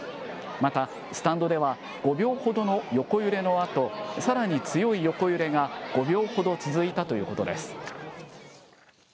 また、スタンドでは５秒ほどの横揺れのあと、さらに強い横揺れが５秒ほど続いたということです。